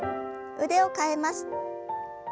腕を替えます。